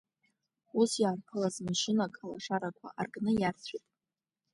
Ус иаарԥылаз машьынак алашарақәа аркны иарцәеит.